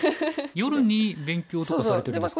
夜に勉強とかされてるんですか？